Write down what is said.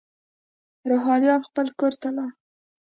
روهیال خپل کور ته لاړ.